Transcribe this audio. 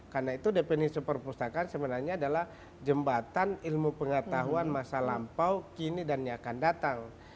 karena itu definisi perpustakaan sebenarnya adalah jembatan ilmu pengetahuan masa lampau kini dan yang akan datang